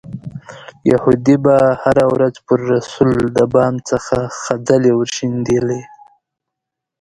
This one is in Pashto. یهودي به هره ورځ پر رسول د بام څخه خځلې ورشیندلې.